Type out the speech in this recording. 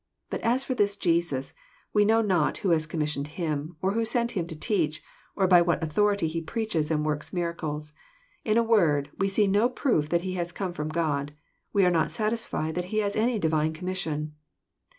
But as for this Jesus, we know not who has commissioned Him, or who sent Him to teach, or by what authority He preaches and worius miracles. In a word, we see no proof that He has come IVom God. We are not satisfied that He has any Divine commission."